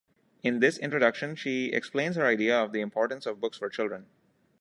In this introduction, she explains her idea of the importance of books for children.